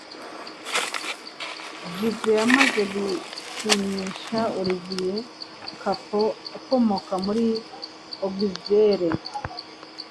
Juve yamaze gusinyisha Olivier Kapo ukomoka muri Auxerre